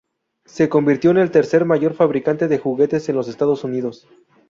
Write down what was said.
Se convirtió en el tercer mayor fabricante de juguetes en los Estados Unidos.